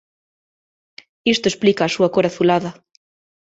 Isto explica a súa cor azulada.